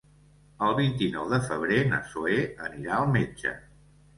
El vint-i-nou de febrer na Zoè anirà al metge.